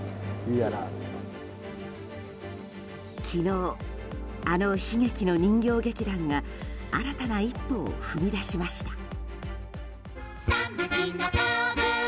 昨日、あの悲劇の人形劇団が新たな一歩を踏み出しました。